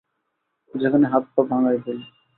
যেখানে হাত-পা ভাঙাই ভুল।